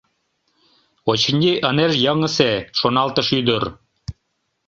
Очыни, ынеж йыҥысе, шоналтыш ӱдыр.